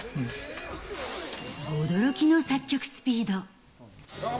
驚きの作曲スピード。